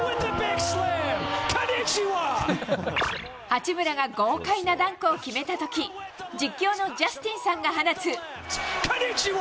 八村が豪快なダンクを決めた時実況のジャスティンさんが放つ。